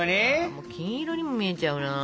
もう金色にも見えちゃうな。